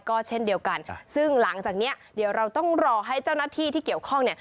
ก็เช่นเดียวกันซึ่งหลังจากเนี้ยเดี๋ยวเราต้องรอให้เจ้าหน้าที่ที่เกี่ยวข้องเนี่ย